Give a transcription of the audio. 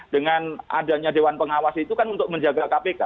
dengan adanya dewan pengawas itu kan untuk menjaga kpk